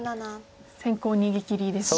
先行逃げきりですね。